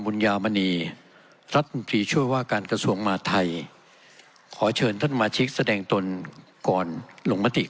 ยามณีรัฐมนตรีช่วยว่าการกระทรวงมาไทยขอเชิญท่านมาชิกแสดงตนก่อนลงมติ